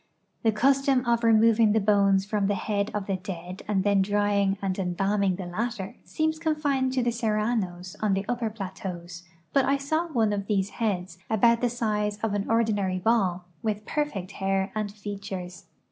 The custom of removing the bones from the head of the dead and then drying and em balming the latter seems confined to the Serranos on the upper plateaus, but I saw one of these heads, about the size of an ordi nary ball, with perfect hair and features.